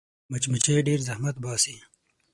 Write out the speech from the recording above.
مچمچۍ ډېر زحمت باسي